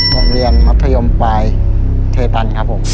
โรงเรียนมัธยมปลายเทตันครับผม